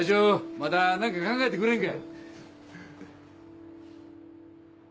また何か考えてくれんか？